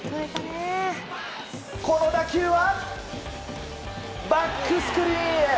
この打球はバックスクリーンへ。